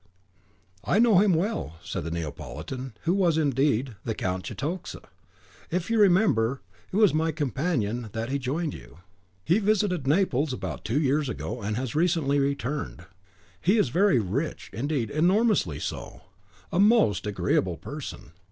"I know him well," said the Neapolitan, who was, indeed, the Count Cetoxa. "If you remember, it was as my companion that he joined you. He visited Naples about two years ago, and has recently returned; he is very rich, indeed, enormously so. A most agreeable person.